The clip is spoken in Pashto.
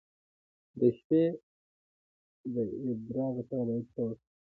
د شپې د ادرار لپاره باید څه وکړم؟